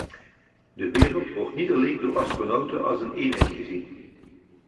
De wereld wordt niet alleen door astronauten als een eenheid gezien.